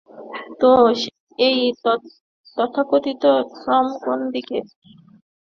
তো, এই তথাকথিত ফার্ম কোন দিকে?